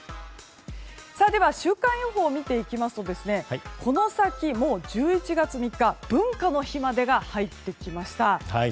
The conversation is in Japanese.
では週間予報を見ていきますとこの先、もう１１月３日文化の日までが入ってきました。